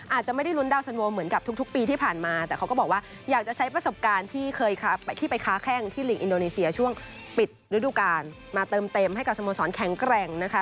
อาจจะไม่ได้ลุ้นดาวสันโวเหมือนกับทุกปีที่ผ่านมาแต่เขาก็บอกว่าอยากจะใช้ประสบการณ์ที่เคยที่ไปค้าแข้งที่ลิงอินโดนีเซียช่วงปิดฤดูกาลมาเติมเต็มให้กับสโมสรแข็งแกร่งนะคะ